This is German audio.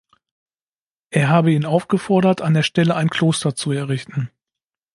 Er habe ihn aufgefordert, an der Stelle ein Kloster zu errichten.